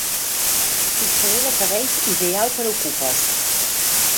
Fixador de cabells ideal per a okupes.